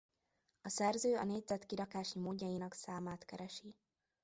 A szerző a négyzet kirakási módjainak számát keresi.